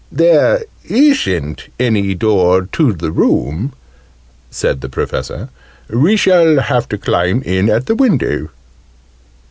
"There isn't any door to the room," said the Professor. "We shall have to climb in at the window."